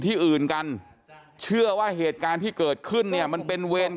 ที่อื่นกันเชื่อว่าเหตุการณ์ที่เกิดขึ้นเนี่ยมันเป็นเวร